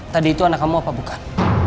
tadi itu anak kamu apa bukan